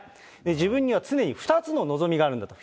自分には常に２つの望みがあるんだと。